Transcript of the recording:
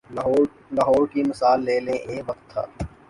لاہور کی مثال لے لیں، ایک وقت تھا۔